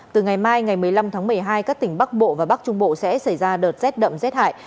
từ ngày mai ngày một mươi năm tháng một mươi hai các tỉnh bắc bộ và bắc trung bộ sẽ xảy ra đợt rét đậm rét hại